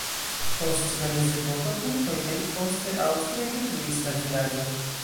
Post la mezepoko turkoj kaj poste aŭstroj detruis la vilaĝon.